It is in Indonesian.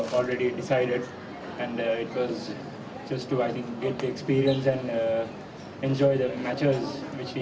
saya sudah memutuskan untuk mendapatkan pengalaman dan menikmati pertandingan yang kita dapatkan di grup dua